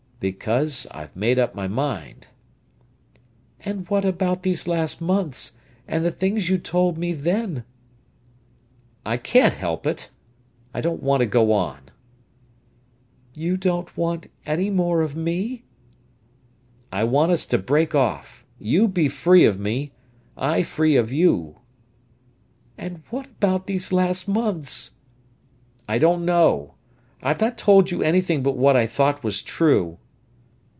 "Because I've made up my mind." "And what about these last months, and the things you told me then?" "I can't help it! I don't want to go on." "You don't want any more of me?" "I want us to break off—you be free of me, I free of you." "And what about these last months?" "I don't know. I've not told you anything but what I thought was true."